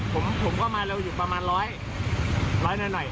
ผมก็มาเร็วอยู่ประมาณร้อยร้อยหน่อย